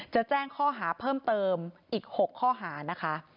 จะแจ้งข้อหาเพิ่มเติมอีก๖ข้อหานะคะ